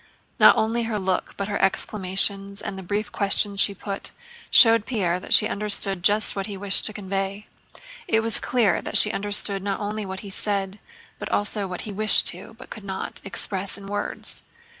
Not only her look, but her exclamations and the brief questions she put, showed Pierre that she understood just what he wished to convey. It was clear that she understood not only what he said but also what he wished to, but could not, express in words.